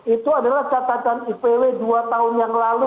itu adalah catatan ipw dua tahun yang lalu